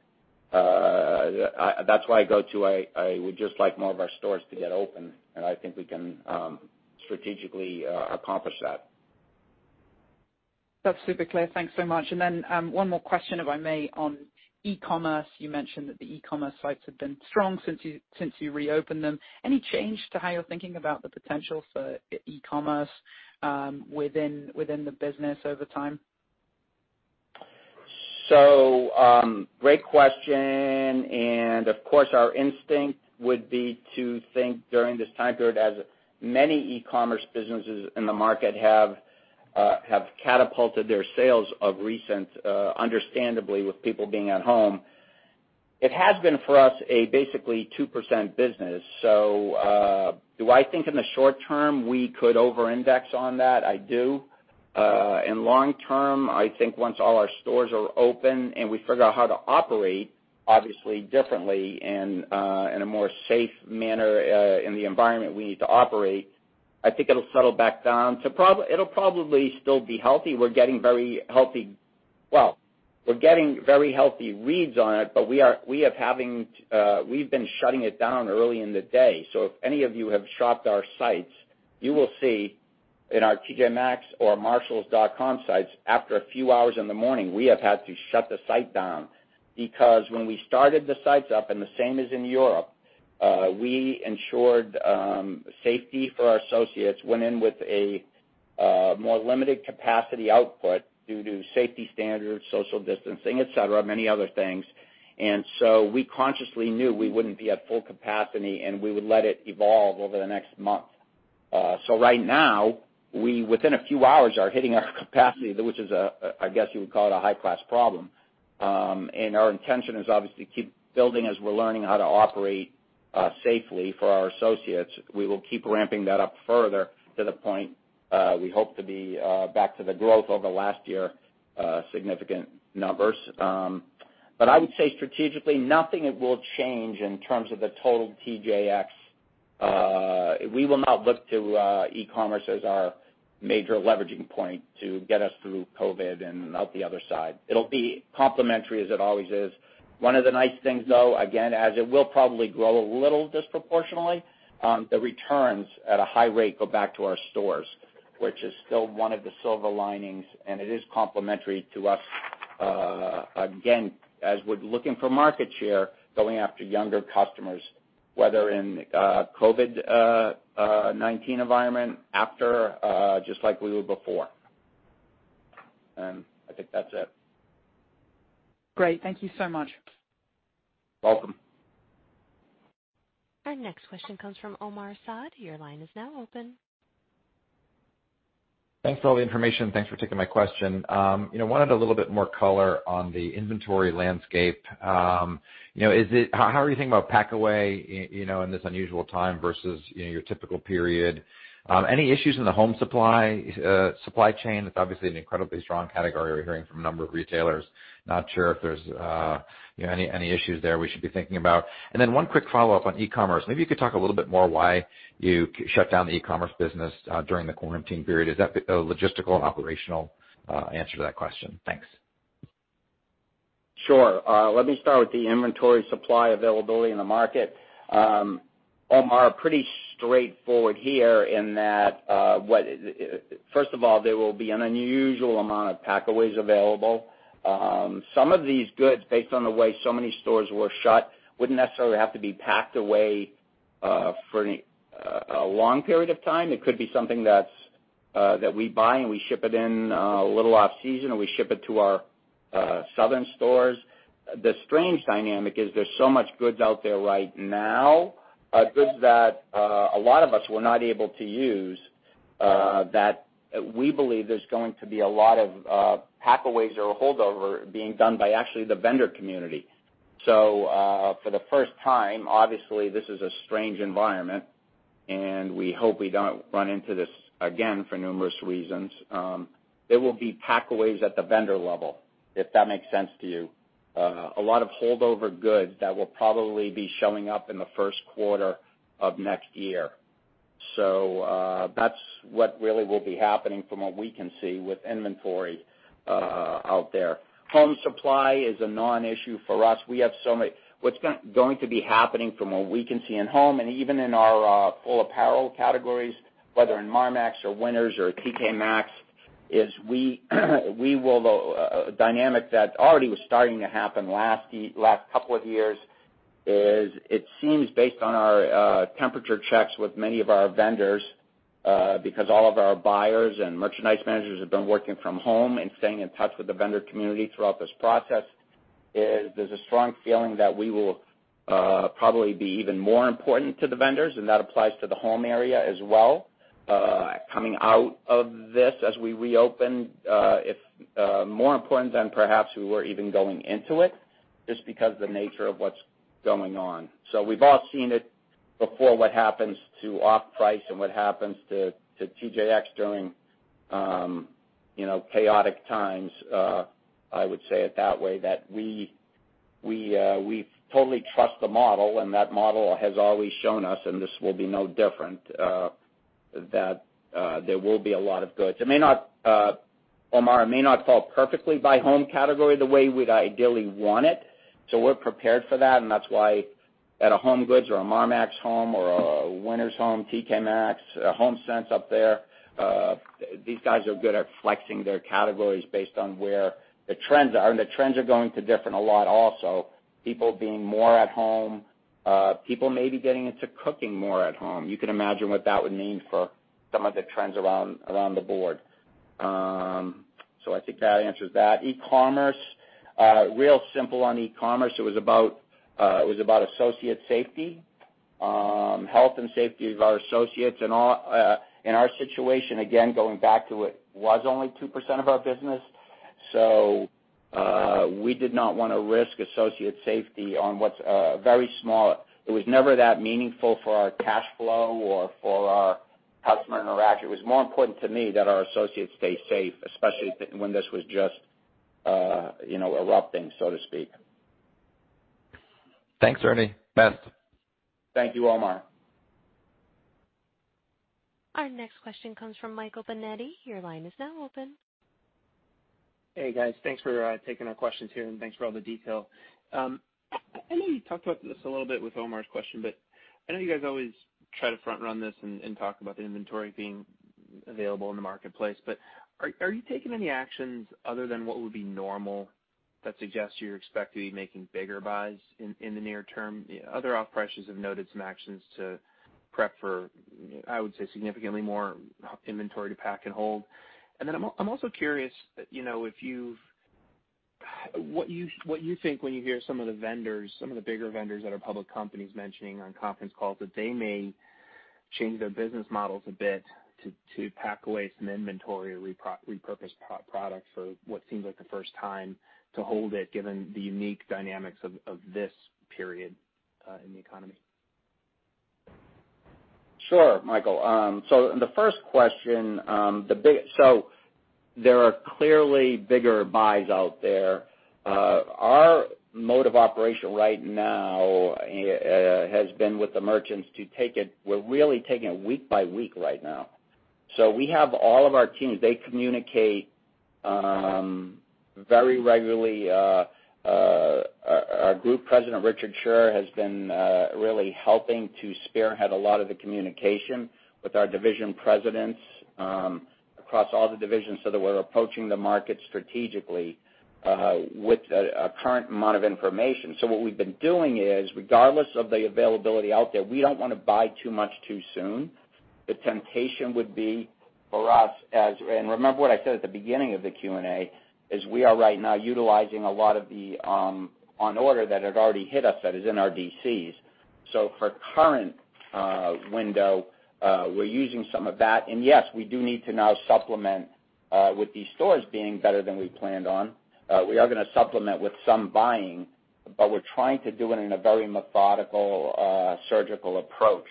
why I go to a, we'd just like more of our stores to get open, and I think we can strategically accomplish that. That's super clear. Thanks so much. One more question, if I may, on e-commerce. You mentioned that the e-commerce sites have been strong since you reopened them. Any change to how you're thinking about the potential for e-commerce within the business over time? Great question, and of course, our instinct would be to think during this time period, as many e-commerce businesses in the market have catapulted their sales of recent, understandably, with people being at home. It has been, for us, a basically two percent business. Do I think in the short term we could over-index on that? I do. In long term, I think once all our stores are open and we figure out how to operate, obviously, differently in a more safe manner in the environment we need to operate, I think it'll settle back down. It'll probably still be healthy. We're getting very healthy reads on it, but we've been shutting it down early in the day. If any of you have shopped our sites, you will see in our tjmaxx or marshalls.com sites, after a few hours in the morning, we have had to shut the site down because when we started the sites up, and the same as in Europe, we ensured safety for our associates, went in with a more limited capacity output due to safety standards, social distancing, et cetera, many other things. We consciously knew we wouldn't be at full capacity, and we would let it evolve over the next month. Right now, we, within a few hours, are hitting our capacity, which is, I guess you would call it a high-class problem. Our intention is obviously keep building as we're learning how to operate safely for our associates. We will keep ramping that up further to the point we hope to be back to the growth over last year, significant numbers. I would say strategically, nothing will change in terms of the total TJX. We will not look to e-commerce as our major leveraging point to get us through COVID and out the other side. It'll be complementary as it always is. One of the nice things, though, again, as it will probably grow a little disproportionately, the returns at a high rate go back to our stores, which is still one of the silver linings, and it is complementary to us, again, as we're looking for market share, going after younger customers, whether in COVID-19 environment, after, just like we were before. I think that's it. Great. Thank you so much. Welcome. Our next question comes from Omar Saad. Your line is now open. Thanks for all the information. Thanks for taking my question. Wanted a little bit more color on the inventory landscape. How are you thinking about pack away in this unusual time versus your typical period? Any issues in the home supply chain? That's obviously an incredibly strong category. We're hearing from a number of retailers. Not sure if there's any issues there we should be thinking about. Then one quick follow-up on e-commerce. Maybe you could talk a little bit more why you shut down the e-commerce business during the quarantine period. Is that a logistical and operational answer to that question? Thanks. Sure. Let me start with the inventory supply availability in the market. Omar, pretty straightforward here in that, first of all, there will be an unusual amount of pack aways available. Some of these goods, based on the way so many stores were shut, wouldn't necessarily have to be packed away for a long period of time. It could be something that we buy, and we ship it in a little off-season, or we ship it to our southern stores. The strange dynamic is there's so much goods out there right now, goods that a lot of us were not able to use. We believe there's going to be a lot of pack-aways or holdover being done by actually the vendor community. For the first time, obviously, this is a strange environment, and we hope we don't run into this again for numerous reasons. There will be pack-aways at the vendor level, if that makes sense to you. A lot of holdover goods that will probably be showing up in the first quarter of next year. That's what really will be happening from what we can see with inventory out there. Home supply is a non-issue for us. What's going to be happening from what we can see in home and even in our full apparel categories, whether in Marmaxx or Winners or TK Maxx, is a dynamic that already was starting to happen last couple of years, is it seems, based on our temperature checks with many of our vendors, because all of our buyers and merchandise managers have been working from home and staying in touch with the vendor community throughout this process, is there's a strong feeling that we will probably be even more important to the vendors, and that applies to the home area as well, coming out of this as we reopen. More important than perhaps we were even going into it, just because the nature of what's going on. We've all seen it before, what happens to off-price and what happens to TJX during chaotic times, I would say it that way, that we totally trust the model, and that model has always shown us, and this will be no different, that there will be a lot of goods. Omar, it may not fall perfectly by home category the way we'd ideally want it, so we're prepared for that. That's why at a HomeGoods or a Marmaxx home or a Winners home, TK Maxx, HomeSense up there, these guys are good at flexing their categories based on where the trends are. The trends are going to differ a lot also. People being more at home, people may be getting into cooking more at home. You can imagine what that would mean for some of the trends around the board. I think that answers that. E-commerce, real simple on e-commerce, it was about associate safety, health and safety of our associates. In our situation, again, going back to it, was only two percent of our business. We did not want to risk associate safety on what's very small. It was never that meaningful for our cash flow or for our customer interaction. It was more important to me that our associates stay safe, especially when this was just erupting, so to speak. Thanks, Ernie. Matt. Thank you, Omar. Our next question comes from Michael Binetti. Your line is now open. Hey, guys. Thanks for taking our questions here, and thanks for all the detail. I know you talked about this a little bit with Omar's question, I know you guys always try to front run this and talk about the inventory being available in the marketplace. Are you taking any actions other than what would be normal that suggests you expect to be making bigger buys in the near term? Other off-pricers have noted some actions to prep for, I would say, significantly more inventory to pack away. I'm also curious, what you think when you hear some of the bigger vendors that are public companies mentioning on conference calls that they may change their business models a bit to pack away some inventory or repurpose products for what seems like the first time to hold it, given the unique dynamics of this period in the economy. Sure, Michael. The first question, there are clearly bigger buys out there. Our mode of operation right now has been with the merchants, we're really taking it week by week right now. We have all of our teams, they communicate very regularly. Our Group President, Richard Sherr, has been really helping to spearhead a lot of the communication with our division presidents across all the divisions so that we're approaching the market strategically with a current amount of information. What we've been doing is, regardless of the availability out there, we don't want to buy too much too soon. The temptation would be for us, and remember what I said at the beginning of the Q&A, is we are right now utilizing a lot of the on order that had already hit us that is in our DCs. For current window, we're using some of that. Yes, we do need to now supplement with these stores being better than we planned on. We are gonna supplement with some buying, but we're trying to do it in a very methodical, surgical approach.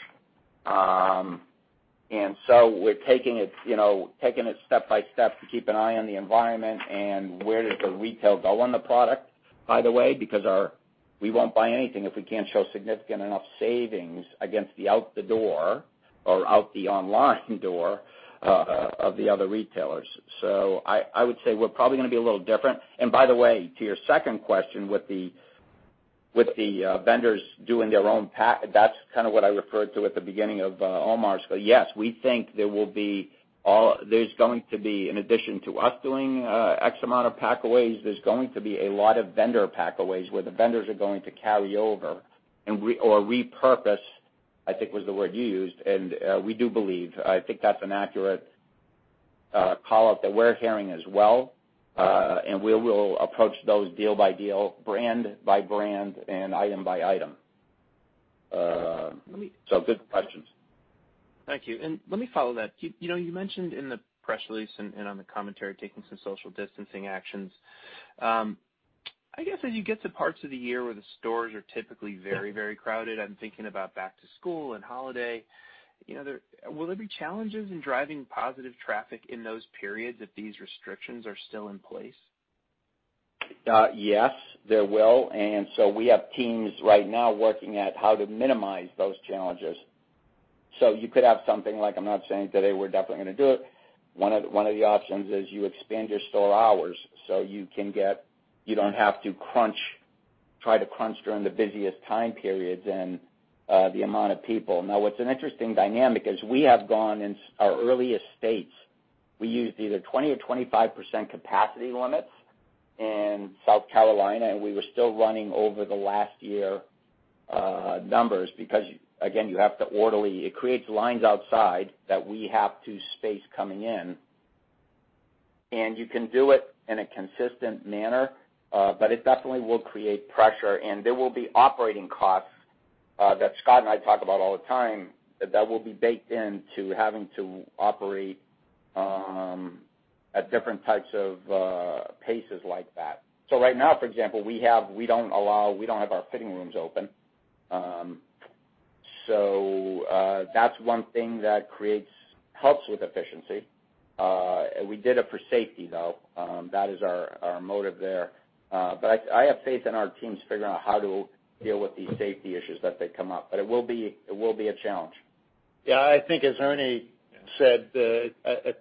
We're taking it step by step to keep an eye on the environment and where does the retail go on the product, by the way, because we won't buy anything if we can't show significant enough savings against the out the door or out the online door of the other retailers. I would say we're probably gonna be a little different. By the way, to your second question, with the vendors doing their own pack, that's kind of what I referred to at the beginning of Omar's. Yes, we think there's going to be, in addition to us doing X amount of pack-aways, there's going to be a lot of vendor pack-aways where the vendors are going to carry over or repurpose, I think was the word you used. We do believe, I think that's an accurate call-out that we're hearing as well. We will approach those deal by deal, brand by brand, and item by item. Good questions. Thank you. Let me follow that. You mentioned in the press release and on the commentary, taking some social distancing actions. I guess as you get to parts of the year where the stores are typically very crowded, I'm thinking about back to school and holiday, will there be challenges in driving positive traffic in those periods if these restrictions are still in place? Yes, there will. We have teams right now working at how to minimize those challenges. You could have something like, I'm not saying today we're definitely going to do it, one of the options is you expand your store hours so you don't have to try to crunch during the busiest time periods and the amount of people. Now, what's an interesting dynamic is we have gone in our earliest states, we used either 20% or 25% capacity limits in South Carolina, and we were still running over the last year numbers because, again, you have to orderly. It creates lines outside that we have to space coming in. You can do it in a consistent manner, but it definitely will create pressure. There will be operating costs, that Scott and I talk about all the time, that will be baked into having to operate at different types of paces like that. Right now, for example, we don't have our fitting rooms open. That's one thing that helps with efficiency. We did it for safety, though. That is our motive there. I have faith in our teams figuring out how to deal with these safety issues as they come up. It will be a challenge. I think as Ernie said, I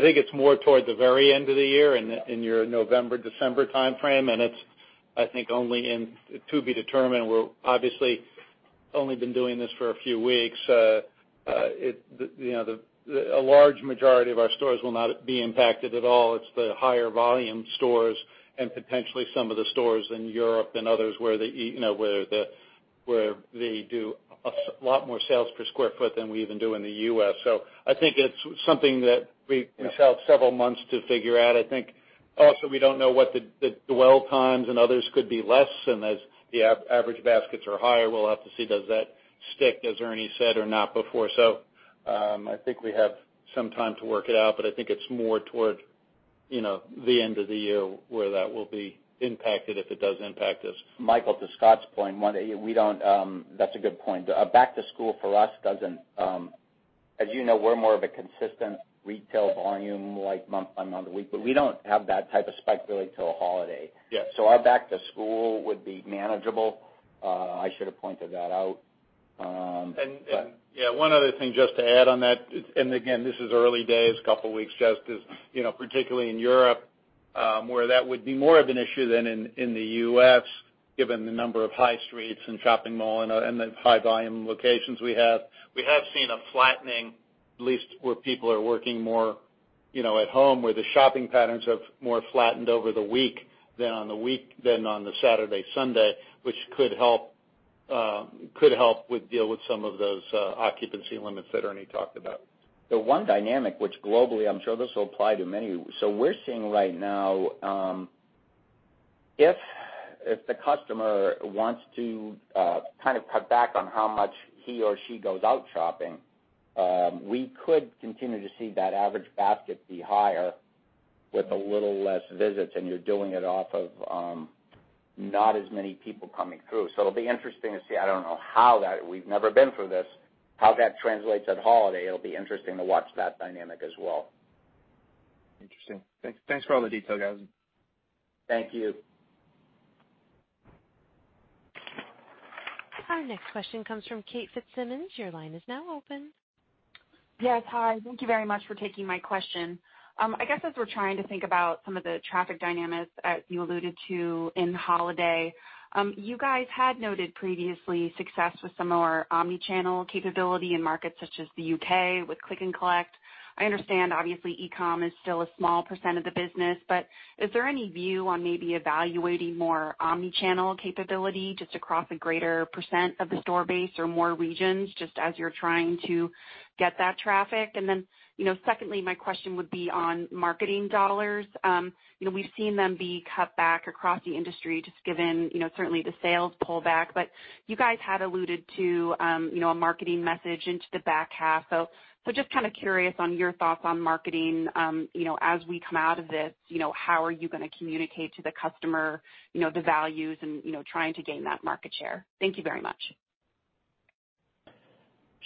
think it's more toward the very end of the year in your November, December timeframe. It's, I think, only to be determined. We're obviously only been doing this for a few weeks. A large majority of our stores will not be impacted at all. It's the higher volume stores and potentially some of the stores in Europe and others where they do a lot more sales per square foot than we even do in the U.S. I think it's something that we still have several months to figure out. I think also we don't know what the dwell times and others could be less. As the average baskets are higher, we'll have to see, does that stick, as Ernie said, or not before. I think we have some time to work it out, but I think it's more toward the end of the year where that will be impacted if it does impact us. Michael, to Scott's point, that's a good point. As you know, we're more of a consistent retail volume like month on month, week, but we don't have that type of spike really till holiday. Yes. Our back to school would be manageable. I should have pointed that out. Yeah, one other thing just to add on that, and again, this is early days, couple weeks just as, particularly in Europe, where that would be more of an issue than in the U.S., given the number of high streets and shopping mall and the high volume locations we have. We have seen a flattening, at least where people are working more at home, where the shopping patterns have more flattened over the week than on the Saturday, Sunday, which could help with deal with some of those occupancy limits that Ernie talked about. The one dynamic, which globally, I'm sure this will apply to many. We're seeing right now, if the customer wants to cut back on how much he or she goes out shopping, we could continue to see that average basket be higher with a little less visits, and you're doing it off of not as many people coming through. It'll be interesting to see, I don't know how that, we've never been through this, how that translates at holiday. It'll be interesting to watch that dynamic as well. Interesting. Thanks for all the detail, guys. Thank you. Our next question comes from Kate Fitzsimons. Your line is now open. Yes, hi. Thank you very much for taking my question. I guess as we're trying to think about some of the traffic dynamics as you alluded to in holiday, you guys had noted previously success with some of our omni-channel capability in markets such as the U.K. with click and collect. I understand obviously e-com is still a small percent of the business, but is there any view on maybe evaluating more omni-channel capability just across a greater percent of the store base or more regions just as you're trying to get that traffic? Secondly, my question would be on marketing dollars. We've seen them be cut back across the industry just given certainly the sales pullback, but you guys had alluded to a marketing message into the back half. Just kind of curious on your thoughts on marketing. As we come out of this, how are you going to communicate to the customer the values and trying to gain that market share? Thank you very much.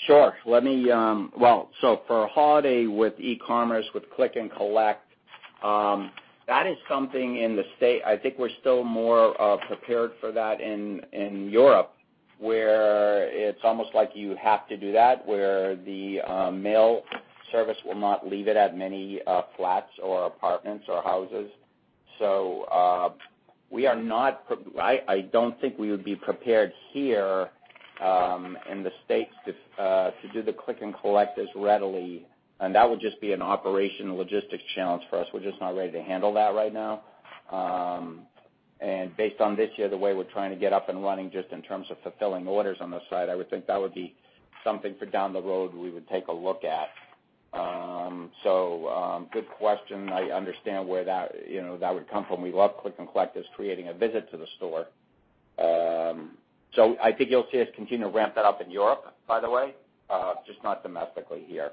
Sure. For holiday with e-commerce, with click and collect, that is something in the States, I think we're still more prepared for that in Europe, where it's almost like you have to do that, where the mail service will not leave it at many flats or apartments or houses. I don't think we would be prepared here in the States to do the click and collect as readily, and that would just be an operational logistics challenge for us. We're just not ready to handle that right now. Based on this year, the way we're trying to get up and running just in terms of fulfilling orders on the side, I would think that would be something for down the road we would take a look at. Good question. I understand where that would come from. We love click and collect as creating a visit to the store. I think you'll see us continue to ramp that up in Europe, by the way, just not domestically here.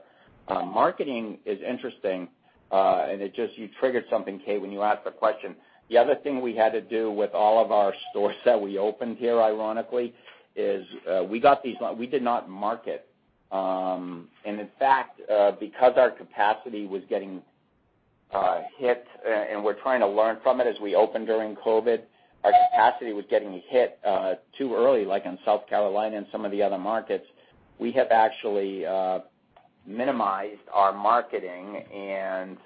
Marketing is interesting, you triggered something, Kate, when you asked the question. The other thing we had to do with all of our stores that we opened here, ironically, is we did not market. In fact, because our capacity was getting hit, and we're trying to learn from it as we open during COVID-19, our capacity was getting hit too early, like in South Carolina and some of the other markets. We have actually minimized our marketing, and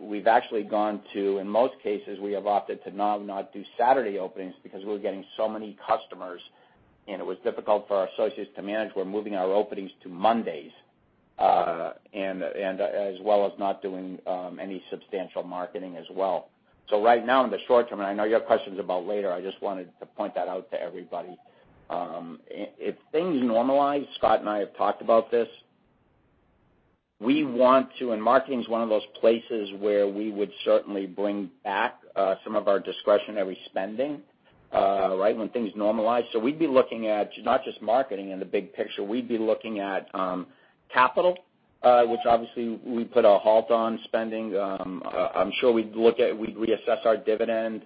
we've actually gone to, in most cases, we have opted to now not do Saturday openings because we were getting so many customers, and it was difficult for our associates to manage. We're moving our openings to Mondays, as well as not doing any substantial marketing as well. Right now, in the short term, and I know you have questions about later, I just wanted to point that out to everybody. If things normalize, Scott and I have talked about this, and marketing's one of those places where we would certainly bring back some of our discretionary spending, when things normalize. We'd be looking at not just marketing in the big picture, we'd be looking at capital, which obviously we put a halt on spending. I'm sure we'd reassess our dividend.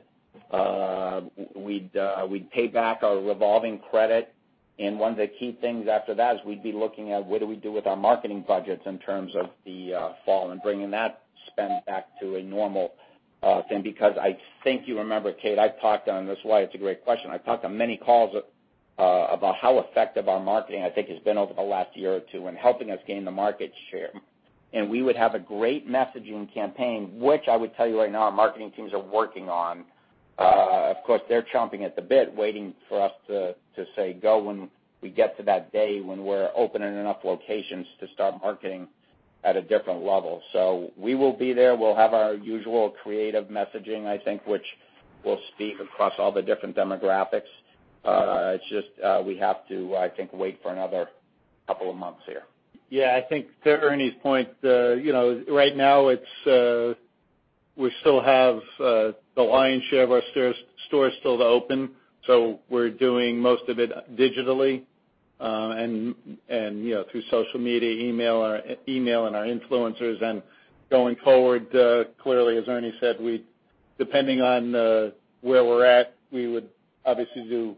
We'd pay back our revolving credit. One of the key things after that is we'd be looking at what do we do with our marketing budgets in terms of the fall and bringing that spend back to a normal thing. I think you remember, Kate, and that's why it's a great question, I've talked on many calls about how effective our marketing, I think, has been over the last year or two in helping us gain the market share. We would have a great messaging campaign, which I would tell you right now, our marketing teams are working on. Of course, they're chomping at the bit, waiting for us to say go when we get to that day when we're opening enough locations to start marketing at a different level. We will be there. We'll have our usual creative messaging, I think, which will speak across all the different demographics. It's just we have to, I think, wait for another couple of months here. Yeah, I think to Ernie's point, right now we still have the lion's share of our stores still to open. We're doing most of it digitally, and through social media, email, and our influencers. Going forward, clearly, as Ernie said, depending on where we're at, we would obviously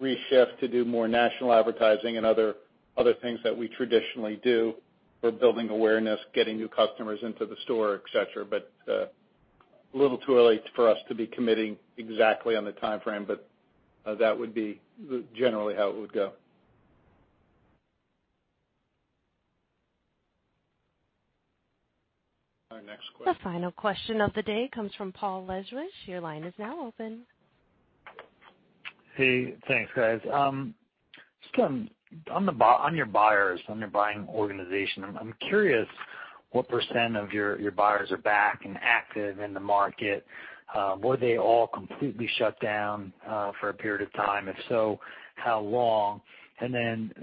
reshift to do more national advertising and other things that we traditionally do for building awareness, getting new customers into the store, et cetera. A little too early for us to be committing exactly on the timeframe, but that would be generally how it would go. Our next question. The final question of the day comes from Paul Lejuez. Your line is now open. Hey, thanks, guys. Just on your buyers, on your buying organization, I'm curious what percent of your buyers are back and active in the market. Were they all completely shut down for a period of time? If so, how long?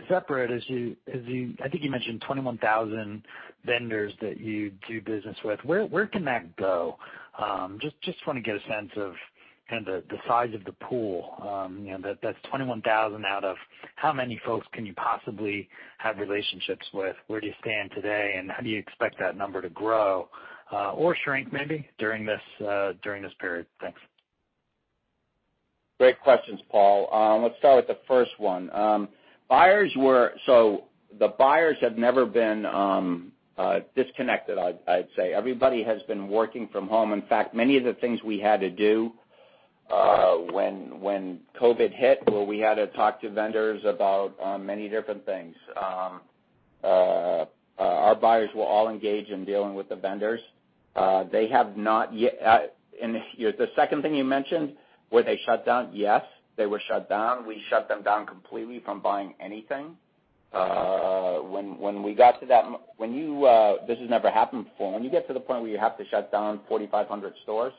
Separate, I think you mentioned 21,000 vendors that you do business with. Where can that go? Just want to get a sense of the size of the pool. That's 21,000 out of how many folks can you possibly have relationships with? Where do you stand today, and how do you expect that number to grow, or shrink maybe, during this period? Thanks. Great questions, Paul. Let's start with the first one. The buyers have never been disconnected, I'd say. Everybody has been working from home. In fact, many of the things we had to do when COVID hit, where we had to talk to vendors about many different things. Our buyers were all engaged in dealing with the vendors. The second thing you mentioned, were they shut down? Yes, they were shut down. We shut them down completely from buying anything. This has never happened before. When you get to the point where you have to shut down 4,500 stores,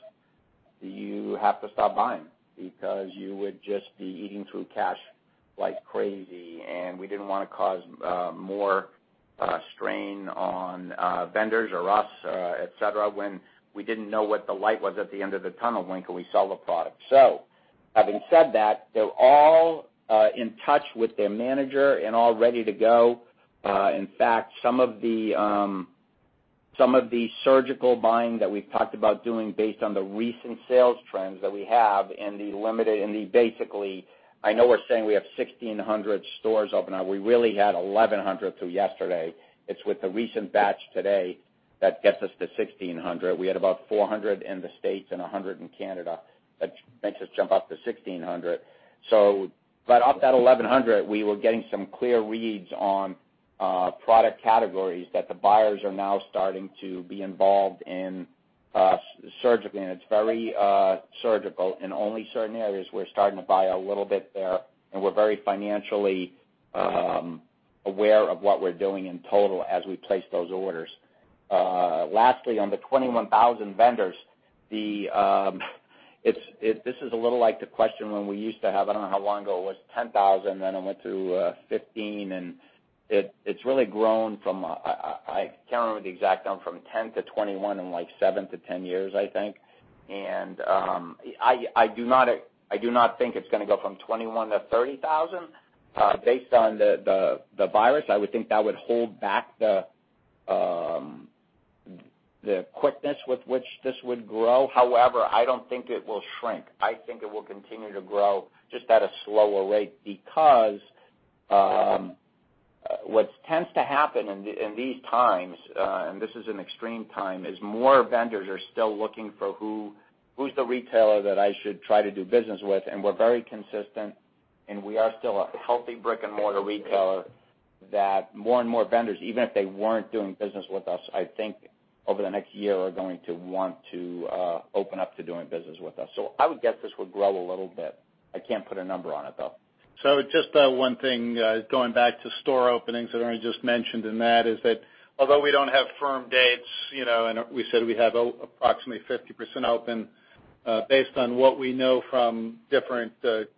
you have to stop buying because you would just be eating through cash like crazy, and we didn't want to cause more strain on vendors or us, et cetera, when we didn't know what the light was at the end of the tunnel, when can we sell the product? Having said that, they're all in touch with their manager and all ready to go. In fact, some of the surgical buying that we've talked about doing based on the recent sales trends that we have in the basically, I know we're saying we have 1,600 stores open now. We really had 1,100 till yesterday. It's with the recent batch today that gets us to 1,600. We had about 400 in the States and 100 in Canada. That makes us jump up to 1,600. Off that 1,100, we were getting some clear reads on product categories that the buyers are now starting to be involved in surgically, and it's very surgical. In only certain areas, we're starting to buy a little bit there, and we're very financially aware of what we're doing in total as we place those orders. Lastly, on the 21,000 vendors, this is a little like the question when we used to have, I don't know how long ago, it was 10,000, then it went to 15,000. It's really grown from, I can't remember the exact number, from 10,000- 21,000 in 7-10 years, I think. I do not think it's going to go from 21,000-30,000 based on the virus. I would think that would hold back the quickness with which this would grow. However, I don't think it will shrink. I think it will continue to grow, just at a slower rate because what tends to happen in these times, and this is an extreme time, is more vendors are still looking for who's the retailer that I should try to do business with, and we're very consistent, and we are still a healthy brick and mortar retailer that more and more vendors, even if they weren't doing business with us, I think over the next year are going to want to open up to doing business with us. I would guess this would grow a little bit. I can't put a number on it, though. Just one thing, going back to store openings that Ernie just mentioned in that is that although we don't have firm dates, and we said we have approximately 50% open based on what we know from the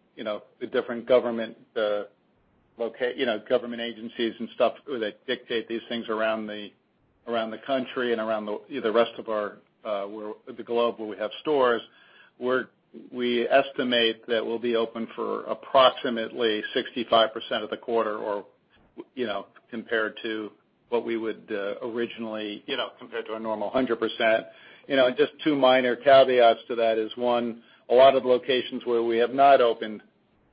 different government agencies and stuff that dictate these things around the country and around the rest of the globe where we have stores, we estimate that we'll be open for approximately 65% of the quarter compared to a normal 100%. Just two minor caveats to that is one, a lot of locations where we have not opened,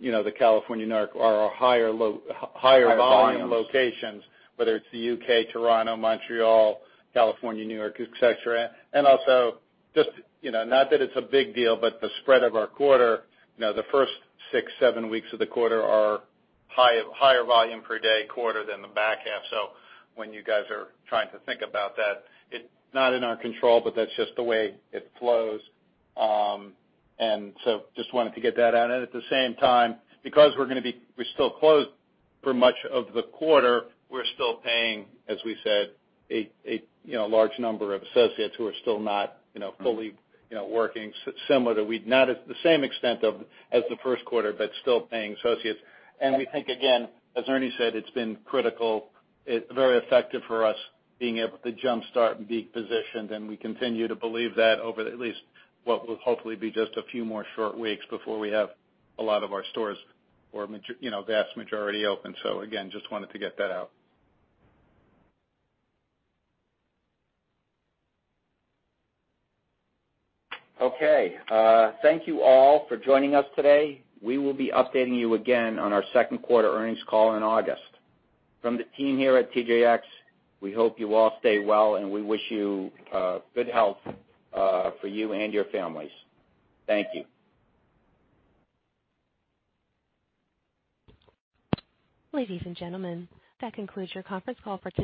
the California, New York, are our higher volume locations, whether it's the U.K., Toronto, Montreal, California, New York, et cetera. Also just, not that it's a big deal, but the spread of our quarter, the first six, seven weeks of the quarter are higher volume per day quarter than the back half. When you guys are trying to think about that, it's not in our control, but that's just the way it flows. Just wanted to get that out. At the same time, because we're still closed for much of the quarter, we're still paying, as we said, a large number of associates who are still not fully working. Not at the same extent as the first quarter, but still paying associates. We think, again, as Ernie said, it's been critical, very effective for us being able to jumpstart and be positioned, and we continue to believe that over at least what will hopefully be just a few more short weeks before we have a lot of our stores or vast majority open. Again, just wanted to get that out. Okay. Thank you all for joining us today. We will be updating you again on our second quarter earnings call in August. From the team here at TJX, we hope you all stay well, and we wish you good health for you and your families. Thank you. Ladies and gentlemen, that concludes your conference call for TJX.